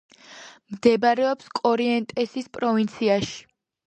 მდებარეობს კორიენტესის პროვინციაში.